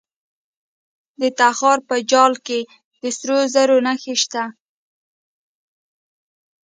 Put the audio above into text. د تخار په چال کې د سرو زرو نښې شته.